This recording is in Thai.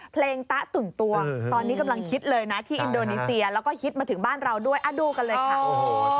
ตะตุ่นตวงตอนนี้กำลังคิดเลยนะที่อินโดนีเซียแล้วก็ฮิตมาถึงบ้านเราด้วยดูกันเลยค่ะโอ้โห